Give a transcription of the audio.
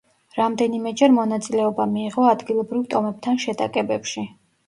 რამდენიმეჯერ მონაწილეობა მიიღო ადგილობრივ ტომებთან შეტაკებებში.